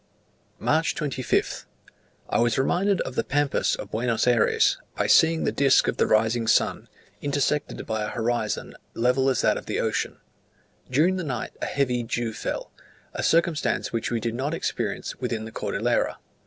March 25th. I was reminded of the Pampas of Buenos Ayres, by seeing the disk of the rising sun, intersected by an horizon level as that of the ocean. During the night a heavy dew fell, a circumstance which we did not experience within the Cordillera.